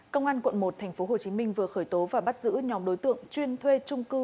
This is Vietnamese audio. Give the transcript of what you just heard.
công an quận một tp hcm vừa khởi tố và bắt giữ nhóm đối tượng chuyên thuê trung cư